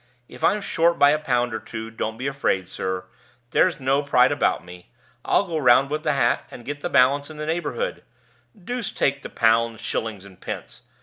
If I'm short by a pound or two, don't be afraid, sir. There's no pride about me; I'll go round with the hat, and get the balance in the neighborhood. Deuce take the pounds, shillings, and pence!